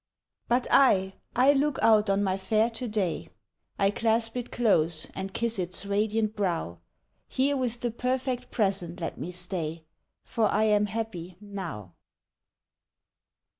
But I I look out on my fair To day; I clasp it close and kiss its radiant brow. Here with the perfect present let me stay, For I am happy now!